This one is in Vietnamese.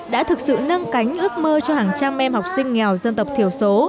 đã thực sự nâng cánh ước mơ cho hàng trăm em học sinh nghèo dân tộc thiểu số